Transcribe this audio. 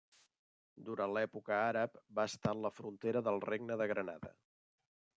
Durant l'època àrab, va estar en la frontera del Regne de Granada.